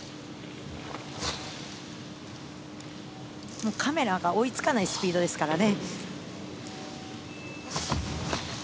もう、カメラが追いつかないスピードですからね。